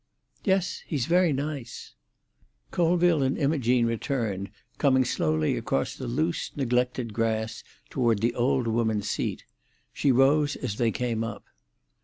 "Yes. He's very nice." Colville and Imogene returned, coming slowly across the loose, neglected grass toward the old woman's seat. She rose as they came up.